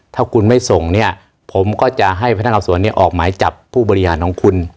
ถ้าคุณไม่ส่งนี่ผมก็จะให้พนักหลักฐานสอบสวนออกหมายจับผู้บริหารของคุณ